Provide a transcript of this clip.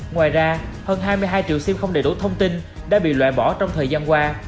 ngoài ra hơn hai mươi hai triệu sim không đầy đủ thông tin đã bị loại bỏ trong thời gian qua